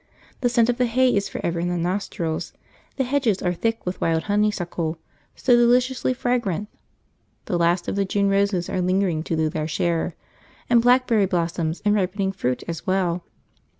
The scent of the hay is for ever in the nostrils, the hedges are thick with wild honeysuckle, so deliciously fragrant, the last of the June roses are lingering to do their share, and blackberry blossoms and ripening fruit as well.